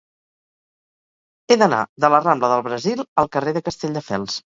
He d'anar de la rambla del Brasil al carrer de Castelldefels.